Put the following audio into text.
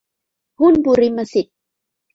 หุ้นบุริมสิทธิ